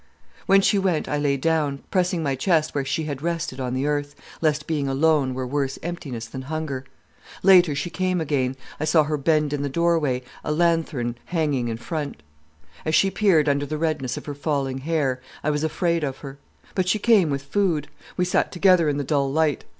"When she went I lay down, pressing my chest where she had rested on the earth, lest being alone were worse emptiness than hunger. "Later she came again. I saw her bend in the doorway, a lanthorn hanging in front. As she peered under the redness of her falling hair, I was afraid of her. But she came with food. We sat together in the dull light.